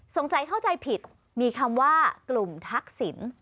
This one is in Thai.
งใจเข้าใจผิดมีคำว่ากลุ่มทักษิณ